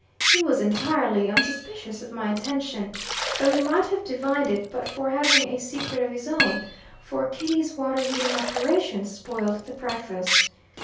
He was entirely unsuspicious of my intention though he might have divined it but for having a secret of his own, for Kitty's water heating operations spoiled the breakfast.